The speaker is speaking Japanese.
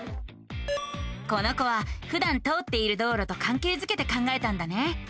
この子はふだん通っている道路とかんけいづけて考えたんだね。